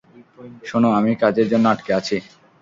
শোনো, আমি কাজের জন্য আটকে আছি।